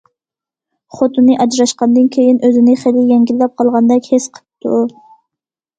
خوتۇنى ئاجراشقاندىن كېيىن ئۆزىنى خېلى يەڭگىللەپ قالغاندەك ھېس قىپتۇ.